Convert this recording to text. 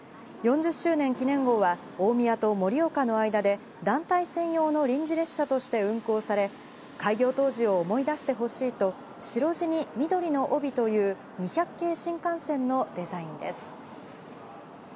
４０周年記念号は、大宮と盛岡の間で、団体専用の臨時列車として運行され、開業当時を思い出してほしいと、白地に緑の帯という、２００系新幹線のデザインです。